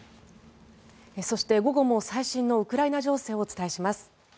そして、午後も最新のウクライナ情勢をお伝えします。